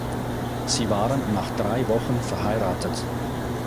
Sie waren nach drei Wochen verheiratet.